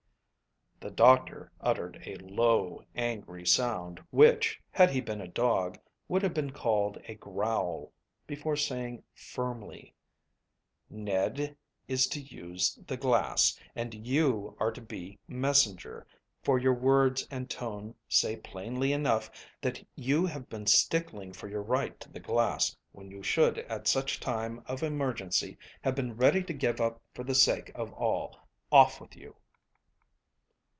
The doctor uttered a low angry sound which had he been a dog would have been called a growl, before saying firmly "Ned is to use the glass, and you are to be messenger, for your words and tone say plainly enough that you have been stickling for your right to the glass, when you should at such a time of emergency have been ready to give up for the sake of all. Off with you."